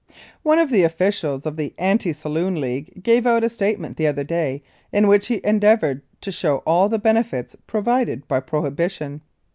One of the officials of the Anti Saloon League gave out a statement the other day in which he endeavored to show all the benefits provided by prohibition.